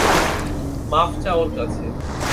মাফ চা ওর কাছে।